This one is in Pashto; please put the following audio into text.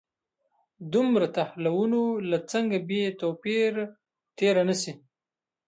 دومره تحولونو له څنګه بې توپیره تېر نه شي.